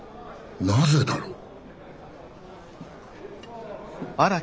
なぜだろう？